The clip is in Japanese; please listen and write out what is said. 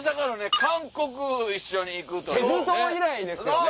韓国一緒に行くというね。